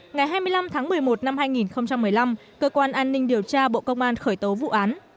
ngày hai mươi năm tháng một mươi một năm hai nghìn một mươi năm cơ quan an ninh điều tra bộ công an khởi tố vụ án